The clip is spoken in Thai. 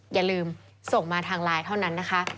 อย่าลืมส่งมาทางไลน์เท่านั้นนะคะ